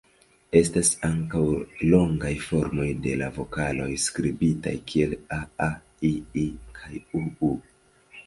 Estas ankaŭ longaj formoj de la vokaloj, skribitaj kiel 'aa', 'ii' kaj 'uu'.